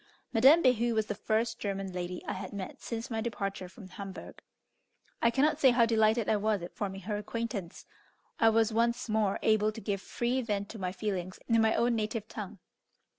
Madame Behu was the first German lady I had met since my departure from Hamburgh. I cannot say how delighted I was at forming her acquaintance. I was once more able to give free vent to my feelings in my own native tongue.